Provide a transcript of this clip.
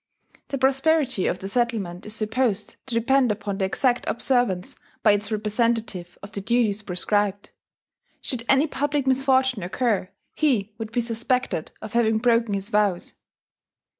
The prosperity of the settlement is supposed to depend upon the exact observance by its representative of the duties prescribed: should any public misfortune occur, he would be suspected of having broken his vows.